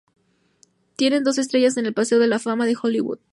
Tiene dos estrellas en el Paseo de la Fama de Hollywood.